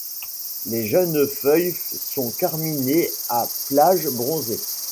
Les jeunes feuilles sont carminées à plages bronzées.